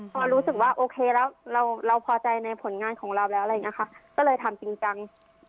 พอรู้สึกว่าโอเคแล้วเราพอใจในผลงานของเราแล้วอะไรอย่างนี้ค่ะก็เลยทำจริงจัง